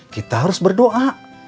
kita harus berdoa